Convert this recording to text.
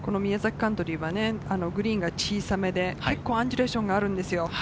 カントリーはグリーンが小さめで、結構アンジュレーションがあるんですよ。